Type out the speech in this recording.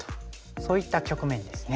そういった局面ですね。